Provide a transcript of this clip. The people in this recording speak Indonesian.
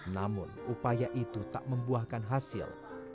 namun upaya itu tak membuahkan hasil